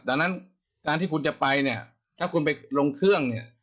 ดังนั้นการที่คุณจะไปเนี่ยถ้าคุณไปลงเครื่องเนี่ย